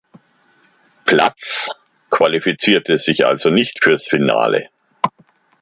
Platz, qualifizierte sich also nicht fürs Finale.